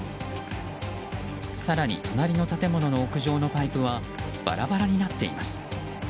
更に、隣の建物の屋上のパイプはバラバラになっています。